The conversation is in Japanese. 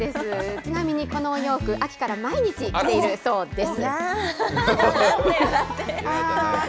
ちなみにこのお洋服、秋から毎日着ているそうです。